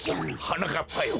はなかっぱよ